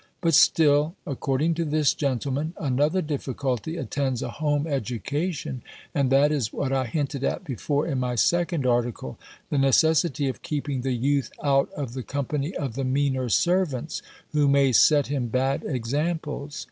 But still, according to this gentleman, another difficulty attends a home education; and that is, what I hinted at before, in my second article, the necessity of keeping the youth out of the company of the meaner servants, who may set him bad examples.